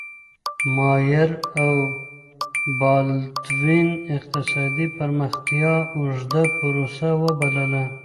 ماير او بالدوين اقتصادي پرمختيا اوږده پروسه وبلله.